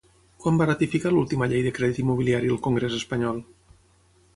Quan va ratificar l'última llei de crèdit immobiliari el congrés espanyol?